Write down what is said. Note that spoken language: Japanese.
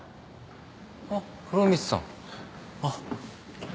あっ風呂光さん。あっ。